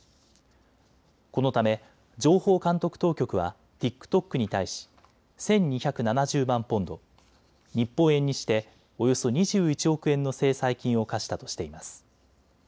このため情報監督当局はＴｉｋＴｏｋに対し１２７０万ポンド、日本円にしておよそ２１億円の制裁金を科したとしています。